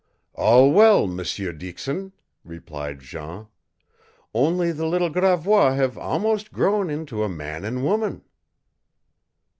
"All well, M'seur Dixon," replied Jean. "Only the little Gravois have almost grown into a man and woman."